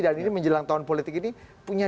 dan ini menjelang tahun politik ini punya